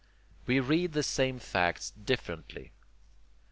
We read the same facts differently.